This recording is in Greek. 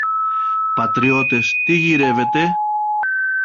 Πατριώτες, τι γυρεύετε;